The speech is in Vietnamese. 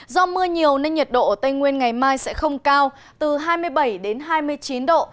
do mưa nhiều nên nhiệt độ ở tây nguyên ngày mai sẽ không cao từ hai mươi bảy đến hai mươi chín độ